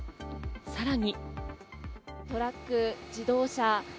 さらに。